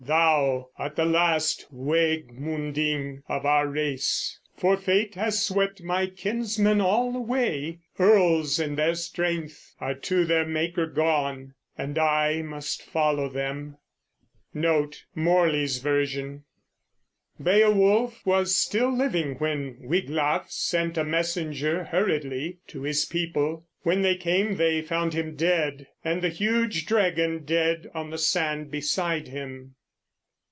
"Thou art the last Waegmunding of our race, For fate has swept my kinsmen all away. Earls in their strength are to their Maker gone, And I must follow them." Beowulf was still living when Wiglaf sent a messenger hurriedly to his people; when they came they found him dead, and the huge dragon dead on the sand beside him.